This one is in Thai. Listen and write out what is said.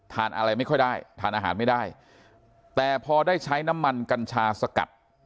ทานอะไรไม่ค่อยได้ทานอาหารไม่ได้แต่พอได้ใช้น้ำมันกัญชาสกัด